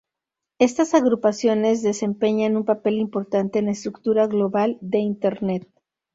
Estas agrupaciones desempeñan un papel importante en la estructura global de Internet.